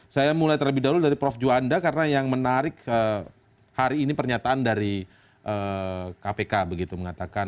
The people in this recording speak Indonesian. saya mulai terlebih dahulu dari prof juanda karena yang menarik hari ini pernyataan dari kpk begitu mengatakan